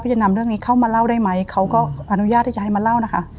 จะนำเรื่องนี้เข้ามาเล่าได้ไหมเขาก็อนุญาตที่จะให้มาเล่านะคะ